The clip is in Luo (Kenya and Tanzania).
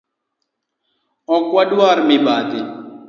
Ok adwar mibadhi.